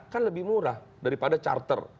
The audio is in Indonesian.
kan lebih murah daripada charter